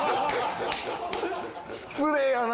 失礼やな！